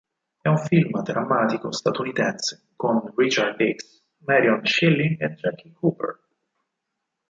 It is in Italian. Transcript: È un film drammatico statunitense con Richard Dix, Marion Shilling e Jackie Cooper.